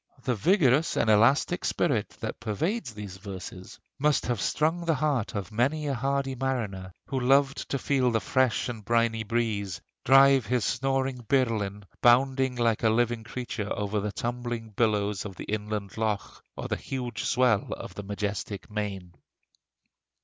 The vigorous and elastic spirit that pervades these verses must have strung the heart of many a hardy mariner, who loved to feel the fresh and briny breeze drive his snoring birlinn bounding like a living creature over the tumbling billows of the inland loch, or the huge swell of the majestic main."